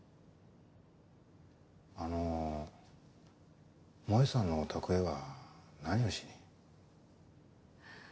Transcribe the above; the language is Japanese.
あの萌さんのお宅へは何をしに？